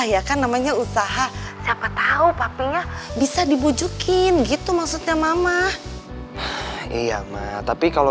ya kan namanya usaha siapa tahu papa lah bisa dibujukin gitu maksudnya mama iya tapi kalau